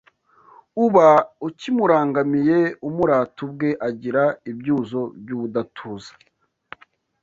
Uba ukimurangamiye umurata Ubwe agira ibyuzo by’ ubudatuza